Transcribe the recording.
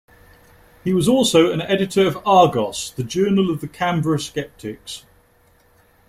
He was also an editor of "Argos", the journal of the Canberra Skeptics.